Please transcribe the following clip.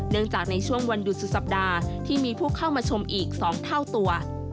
จากในช่วงวันหยุดสุดสัปดาห์ที่มีผู้เข้ามาชมอีก๒เท่าตัว